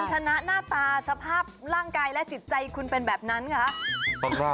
ชนะหน้าตาสภาพร่างกายและจิตใจคุณเป็นแบบนั้นคะ